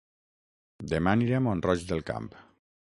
Dema aniré a Mont-roig del Camp